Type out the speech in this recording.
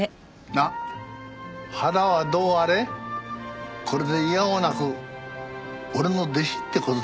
まあ腹はどうあれこれで否応なく俺の弟子って事だからな。